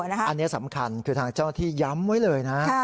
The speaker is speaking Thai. อันนี้สำคัญคือทางเจ้าหน้าที่ย้ำไว้เลยนะ